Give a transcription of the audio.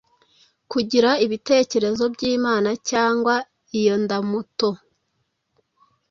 Kugira ibitekerezo byImana, cyangwa iyo ndamuto,